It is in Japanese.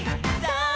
さあ